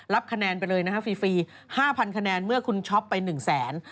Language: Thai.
คะแนนไปเลยนะฮะฟรี๕๐๐คะแนนเมื่อคุณช็อปไป๑แสน